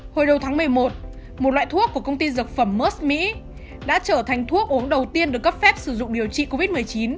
hồi đầu tháng một mươi một một loại thuốc của công ty dược phẩm mus mỹ đã trở thành thuốc uống đầu tiên được cấp phép sử dụng điều trị covid một mươi chín